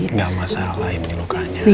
nggak masalah ini lukanya